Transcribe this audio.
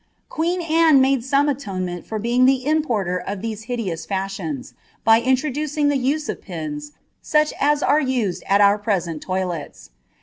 Queen Anne made some alonement for being the importer of tto( hideous fashions, by introducing the use of pins, such as are used at Mr present toilets.